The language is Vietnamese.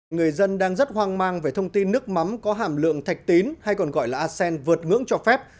người dân đang rất hoang mang về thông tin nước mắm có hàm lượng thạch tín hay còn gọi là acen vượt ngưỡng cho phép